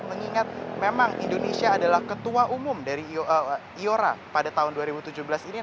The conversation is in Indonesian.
mengingat memang indonesia adalah ketua umum dari iora pada tahun dua ribu tujuh belas ini